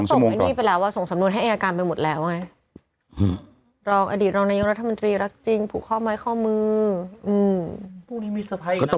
ใช่ไหมคะอันนี้คืนมาละ๒ชั่วโมงก่อน